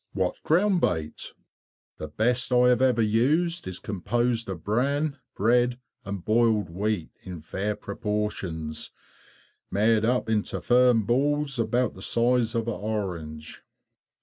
What ground bait_? The best I have ever used is composed of bran, bread, and boiled wheat, in fair proportions, made up into firm balls about the size of an orange.